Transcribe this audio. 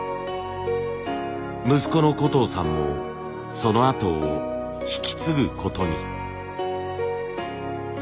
息子の小藤さんもその後を引き継ぐことに。